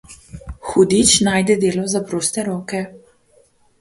Hudič najde delo za proste roke.